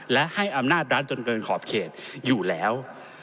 และให้อำนาจรัฐจนเกินขอบเขตอยู่แล้ว